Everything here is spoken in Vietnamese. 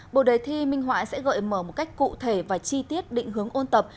bộ đề thi minh họa sẽ gợi mở một cách cụ thể và chi tiết định hướng ôn tập